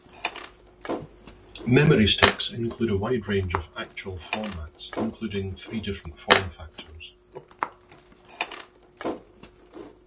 Memory Sticks include a wide range of actual formats, including three different form factors.